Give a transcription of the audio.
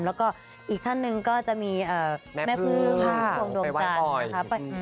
แล้วก็อีกท่านหนึ่งก็จะมีแม่พื้งวงดงกัน